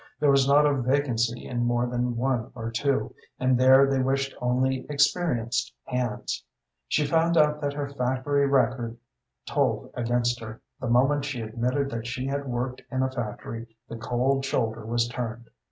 There was not a vacancy in more than one or two, and there they wished only experienced hands. She found out that her factory record told against her. The moment she admitted that she had worked in a factory the cold shoulder was turned.